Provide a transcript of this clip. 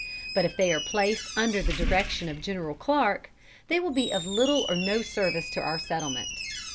But if they are placed under the direction of General Clarke, they will be of little or no service to our settlement.